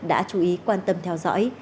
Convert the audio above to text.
đã chú ý quan tâm theo dõi